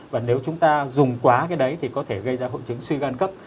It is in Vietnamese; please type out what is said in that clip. và nếu chúng ta dùng quá cái đấy thì có thể gây ra hội chứng suy gan cấp